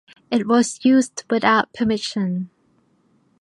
It was used without permission.